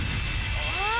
あ！